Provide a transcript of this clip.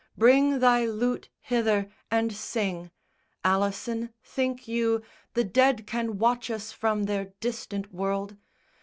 Bring thy lute hither and sing. Alison, think you The dead can watch us from their distant world?